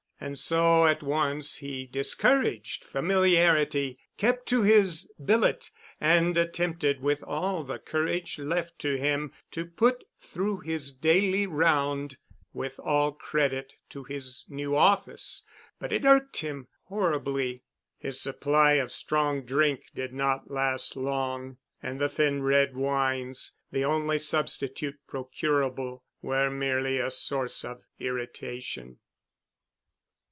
And so at once he discouraged familiarity, kept to his billet and attempted with all the courage left to him to put through his daily round with all credit to his new office. But it irked him horribly. His supply of strong drink did not last long, and the thin red wines, the only substitute procurable, were merely a source of irritation.